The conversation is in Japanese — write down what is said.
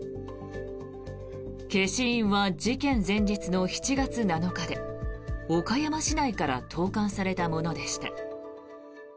消印は事件前日の７月７日で岡山市内から投函されたものでした。